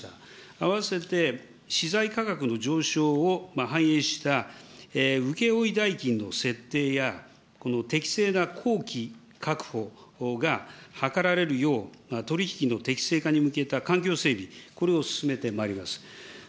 合わせて資材価格の上昇を反映した請け負い代金の設定や適正な工期確保が図られるよう、取り引きの適正化に向けた環境整備、これを進めてまいります。